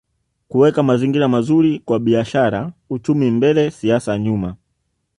Kuweka mazingira mazuri kwa biashara uchumi mbele siasa nyuma